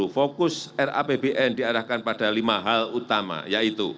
fokus rapbn diarahkan pada lima hal utama yaitu